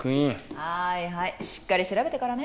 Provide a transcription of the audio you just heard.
はいはいしっかり調べてからね